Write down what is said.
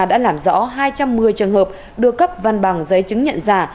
đã làm rõ hai trăm một mươi trường hợp đưa cấp văn bằng giấy chứng nhận giả